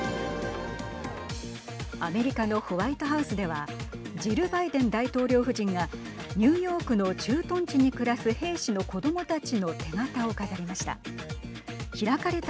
アメリカのホワイトハウスではジル・バイデン大統領夫人がニューヨークの駐屯地に暮らす兵士の子どもたちの手形を飾りました。